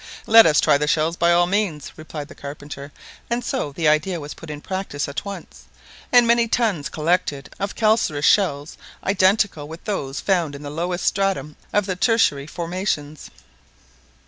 "Let us try the shells, by all means," replied the carpenter; and so the idea was put in practice at once, and many tons collected of calcareous shells identical with those found in the lowest stratum of the Tertiary formations.